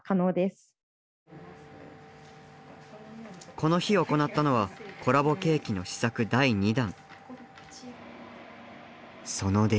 この日行ったのはコラボケーキの試作第２弾。